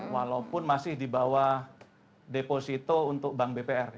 walaupun masih di bawah deposito untuk bank bpr